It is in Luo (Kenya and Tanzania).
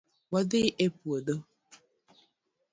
Wadhi e puodho